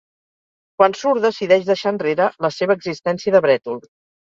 Quan surt, decideix deixar enrere la seva existència de brètol.